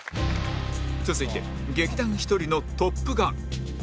続いて劇団ひとりの『トップガン』